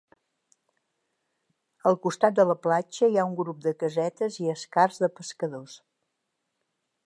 Al costat de la platja hi ha un grup de casetes i escars de pescadors.